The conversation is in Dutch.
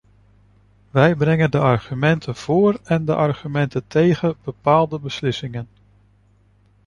Wij brengen de argumenten voor en de argumenten tegen bepaalde beslissingen.